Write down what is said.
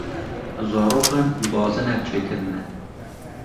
Zarokan bazinek çêkirine.